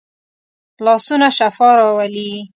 لاسونه شفا راولي